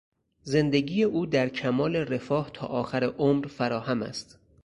زندگی او در کمال رفاه تا آخر عمر فراهم است.